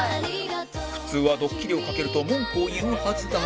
普通はドッキリをかけると文句を言うはずだが